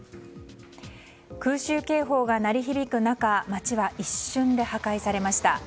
空襲警報が鳴り響く中街は一瞬で破壊されました。